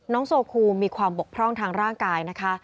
โซคูมีความบกพร่องทางร่างกายนะคะ